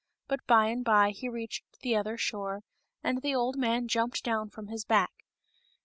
But by and by he reached the other shore, and the old man jumped down from his back.